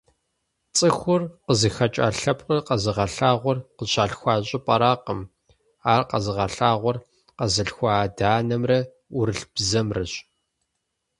ЦӀыхур къызыхэкӀа лъэпкъыр къэзыгъэлъагъуэр къыщалъхуа щӀыпӀэракъым, ар къэзыгъэлъагъуэр къэзылъхуа адэ-анэмрэ ӏурылъ бзэмрэщ.